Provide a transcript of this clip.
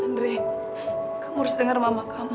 andre kamu harus dengar mama kamu